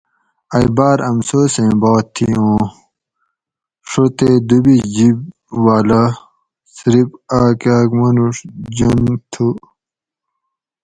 ائی باۤر امسوسیں بات تھی اوں ڛو تے دُو بِیش جِب والاۤ صرف آک آک مانوڛ جن تُھو